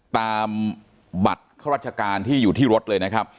ตามบัตรข้าราชการที่อยู่ที่รถเลยนะครับ